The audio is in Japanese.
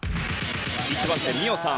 １番手美緒さん。